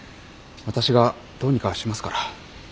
私がどうにかしますから。